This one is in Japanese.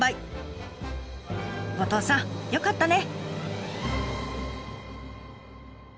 後藤さんよかったね。